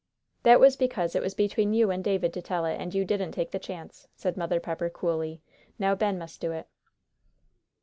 "That was because it was between you and David to tell it, and you didn't take the chance," said Mother Pepper, coolly. "Now Ben must do it."